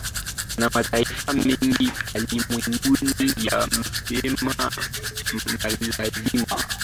na mataifa mengi ulimwenguni yamesema lazima